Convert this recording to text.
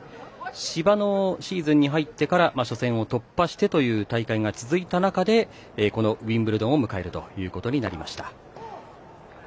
芝のシーズンに入ってから初戦を突破してという大会が続いた中でこのウィンブルドンを迎えるということになりました。